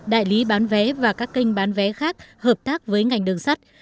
đại lý bán vé và các kênh bán vé khác hợp tác với ngành đường sắt